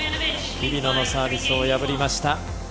日比野のサービスを破りました。